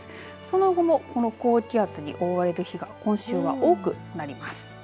その後も、この高気圧に覆われる日が今週は多くなります。